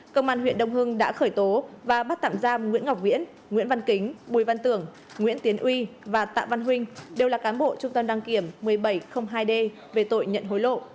công an huyện đông hưng đã khởi tố và bắt tạm giam nguyễn ngọc viễn nguyễn văn kính bùi văn tưởng nguyễn tiến uy và tạ văn huynh đều là cán bộ trung tâm đăng kiểm một mươi bảy hai d về tội nhận hối lộ